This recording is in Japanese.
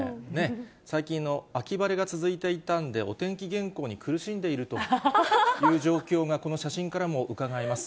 最近の秋晴れが続いていたんで、お天気原稿に苦しんでいるという状況がこの写真からうかがえます。